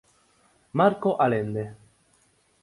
Marco Allende.